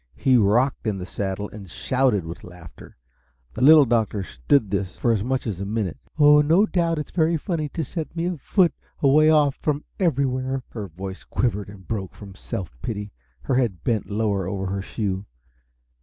He rocked in the saddle, and shouted with laughter. The Little Doctor stood this for as much as a minute. "Oh, no doubt it's very funny to set me afoot away off from everywhere " Her voice quivered and broke from self pity; her head bent lower over her shoe.